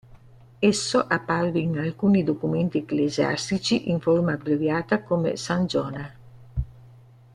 Esso apparve in alcuni documenti ecclesiastici in forma abbreviata come S. Jona.